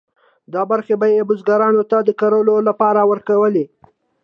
دا برخې به یې بزګرانو ته د کرلو لپاره ورکولې.